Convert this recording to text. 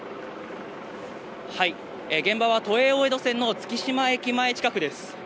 現場は都営大江戸線の月島駅前近くです。